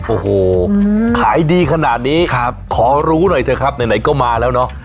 โอ้โหขายดีขนาดนี้ขอรู้หน่อยเถอะครับไหนก็มาแล้วเนาะ